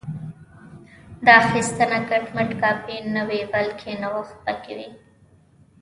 دا اخیستنه کټ مټ کاپي نه وي بلکې نوښت پکې وي